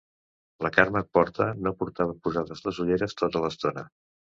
La Carme Porta no portava posades les ulleres tota l'estona.